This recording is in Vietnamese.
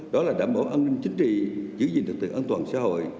đó là đảm bảo an ninh chính trị giữ gìn thực tượng an toàn xã hội